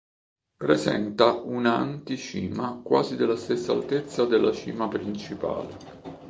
Presenta una anticima quasi della stessa altezza della cima principale.